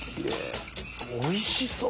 おいしそう！